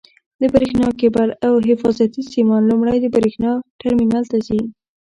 د برېښنا کېبل او حفاظتي سیمان لومړی د برېښنا ټرمینل ته ځي.